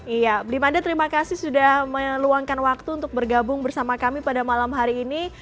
iya blimande terima kasih sudah meluangkan waktu untuk bergabung bersama kami pada malam hari ini